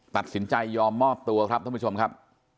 ตัดสินใจยอมมอบตัวครับท่านผู้ชมครับ